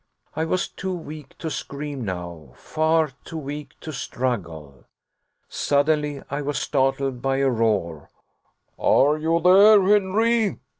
I was too weak to scream now, far too weak to struggle. Suddenly I was startled by a roar. "Are you there, Henry?"